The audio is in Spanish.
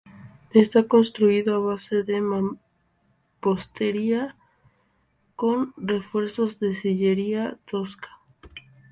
Está construido a base de mampostería con refuerzos de sillería tosca.